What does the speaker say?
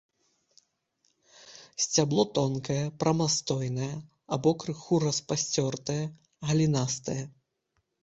Сцябло тонкае, прамастойнае або крыху распасцёртае, галінастае.